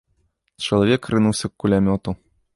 Чалавек рынуўся к кулямёту.